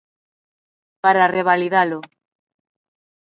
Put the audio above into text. Para revalidalo.